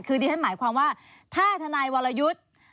คือดิฉันหมายความว่าถ้าทนายวรยุทธ์